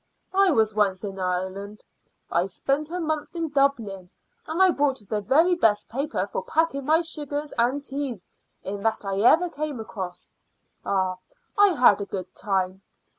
I was once in Ireland. I spent a month in Dublin, and I bought the very best paper for packing my sugars and teas in that I ever came across. Ah! I had a good time.